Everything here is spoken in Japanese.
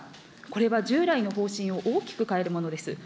これは従来の方針を大きく変えるものです。